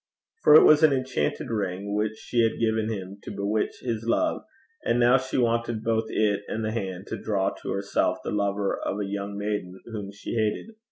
For it was an enchanted ring which she had given him to bewitch his love, and now she wanted both it and the hand to draw to herself the lover of a young maiden whom she hated.